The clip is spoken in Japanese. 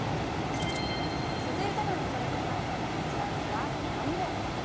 続いてのロコレコさんとの待ち合わせは、田んぼ。